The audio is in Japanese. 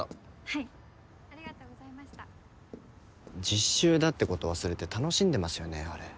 実習だってこと忘れて楽しんでますよねあれ。